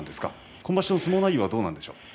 今場所、相撲内容はどうなんでしょうか？